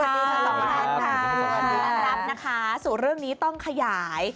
รับนะคะสูตรเรื่องนี้ต้องขยาย